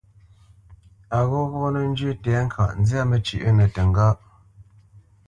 A ghɔghɔnə́ lə́ njyə́ tɛ̌ŋka nzyâ məcywǐnəŋgâʼ.